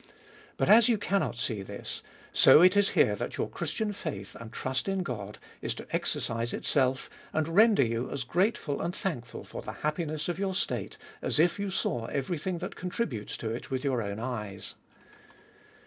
But, as you cannot see this, so it is here that your Christian faith and trust in God is to exercise itself, and render you as grateful and thankful for the happiness of your state, as if you saw every thing that contributes to it with your own eyes.